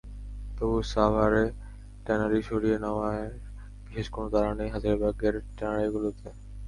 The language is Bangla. তবু সাভারে ট্যানারি সরিয়ে নেওয়ার বিশেষ কোনো তাড়া নেই হাজারীবাগের ট্যানারিগুলোতে।